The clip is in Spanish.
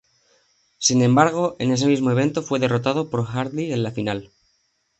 Sin embargo, en ese mismo evento fue derrotado por Hardy en la final.